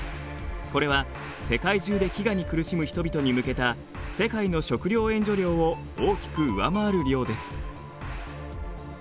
これは世界中で飢餓に苦しむ人々に向けた世界の食料援助量を大きく上回る量です。